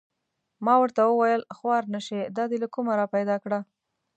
ما ورته و ویل: خوار نه شې دا دې له کومه را پیدا کړه؟